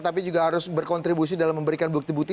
tapi juga harus berkontribusi dalam memberikan bukti bukti